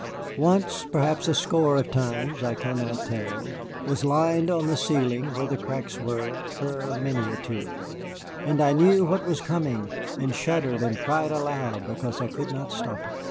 Once perhaps a score of times, I cannot tell was limned on the ceiling, where the cracks were, her miniature, and I knew what was coming and shuddered and cried aloud because I could not stop it.